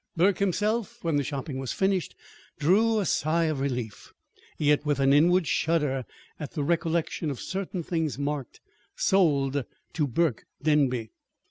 Burke himself, when the shopping was finished, drew a sigh of relief, yet with an inward shudder at the recollection of certain things marked "Sold to Burke Denby."